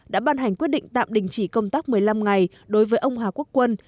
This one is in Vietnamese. đã ban hành quyết định tạm đình chỉ công tác một mươi năm ngày đối với ông hà quốc quân